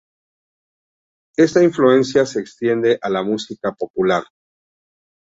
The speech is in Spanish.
Esta influencia se extiende a la música popular.